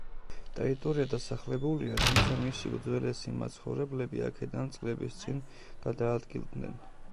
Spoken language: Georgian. ტერიტორია დასახლებულია, თუმცა მისი უძველესი მაცხოვრებლები აქედან წლების წინ გადაადგილდნენ.